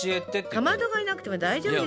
かまどがいなくても大丈夫でしょ。